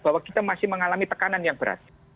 bahwa kita masih mengalami tekanan yang berat